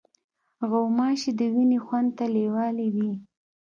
غوماشې د وینې خوند ته لیوالې وي.